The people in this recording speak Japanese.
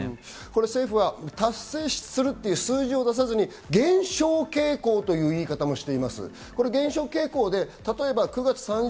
政府は達成するという数字を出さずに、減少傾向という言い方をしています。